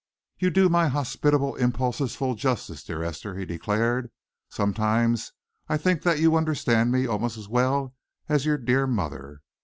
"You do my hospitable impulses full justice, dear Esther," he declared. "Sometimes I think that you understand me almost as well as your dear mother.